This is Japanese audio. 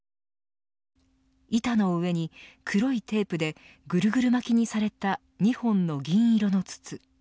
板の上に黒いテープでぐるぐる巻きにされた２本の銀色の筒。